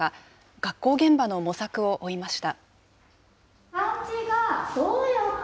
学校現場の模索を追いました。